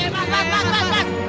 pak pak pak pak pak